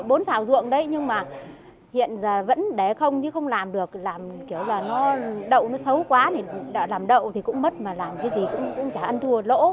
họ chia bốn xào họ chia cho bốn xào ruộng đấy nhưng mà hiện giờ vẫn đẻ không chứ không làm được làm kiểu là nó đậu nó xấu quá làm đậu thì cũng mất mà làm cái gì cũng chả ăn thua lỗ